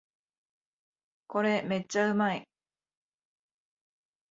これめっちゃうまい